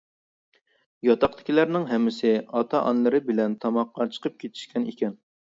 ياتاقتىكىلەرنىڭ ھەممىسى ئاتا-ئانىلىرى بىلەن تاماققا چىقىپ كېتىشكەن ئىكەن.